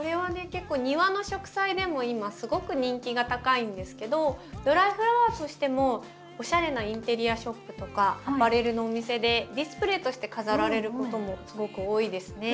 結構庭の植栽でも今すごく人気が高いんですけどドライフラワーとしてもおしゃれなインテリアショップとかアパレルのお店でディスプレーとして飾られることもすごく多いですね。